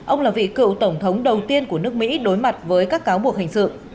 ông là vị cựu tổng thống đầu tiên của nước mỹ đối mặt với các cáo buộc hình sự